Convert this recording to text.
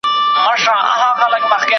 اګوستين ويلي دي چي بشر فطرتي ازادي لري.